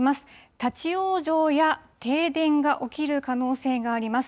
立往生や停電が起きる可能性があります。